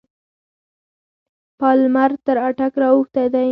پالمر تر اټک را اوښتی دی.